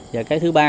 và cái thứ ba